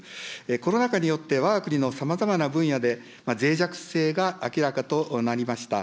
コロナ禍によって、わが国のさまざまな分野でぜい弱性が明らかとなりました。